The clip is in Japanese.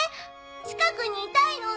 近くにいたいの！